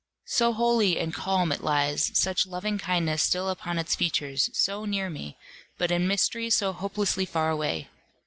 So holy and calm it lies, such loving kindness still upon its features, so near me, but in mystery so hopelessly far away!